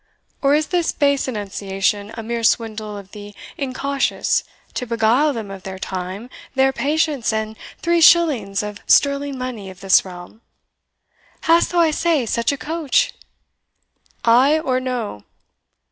or is this base annunciation a mere swindle on the incautious to beguile them of their time, their patience, and three shillings of sterling money of this realm? Hast thou, I say, such a coach? ay or no?"